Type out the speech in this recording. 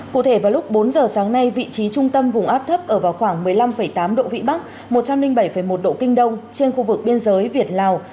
cụ thể vào lúc bốn giờ sáng nay vị trí trung tâm vùng áp thấp ở vào khoảng một mươi năm tám độ vĩ bắc một trăm linh bảy một độ kinh đông trên khu vực biên giới việt lào